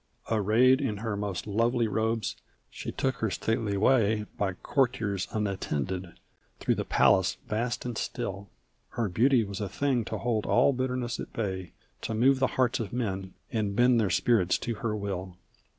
Arrayed in her most lovely robes she took her stately way By courtiers unattended, through the palace vast and still. Her beauty was a thing to hold all bitterness at bay, To move the hearts of men, and bend their spirits to her will!